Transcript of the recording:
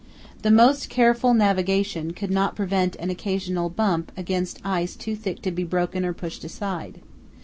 The most careful navigation could not prevent an occasional bump against ice too thick to be broken or pushed aside.